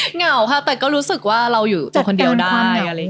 เหงาค่ะแต่ก็รู้สึกว่าเราอยู่ตัวคนเดียวได้